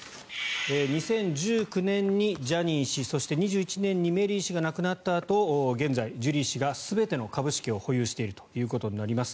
２０１９年にジャニー氏そして、２１年にメリー氏が亡くなったあと現在、ジュリー氏が全ての株式を保有していることになります。